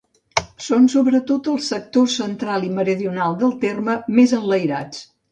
Són sobretot els sectors central i meridional del terme, més enlairats.